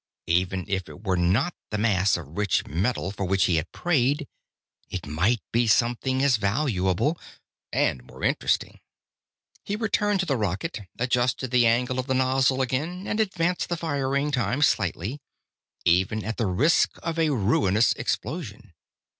Even if it were not the mass of rich metal for which he had prayed, it might be something as valuable and more interesting. He returned to the rocket, adjusted the angle of the nozzle again, and advanced the firing time slightly, even at the risk of a ruinous explosion.